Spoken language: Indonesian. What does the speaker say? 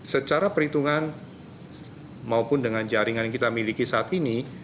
secara perhitungan maupun dengan jaringan yang kita miliki saat ini